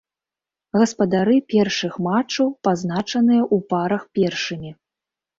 Гаспадары першых матчаў пазначаныя ў парах першымі.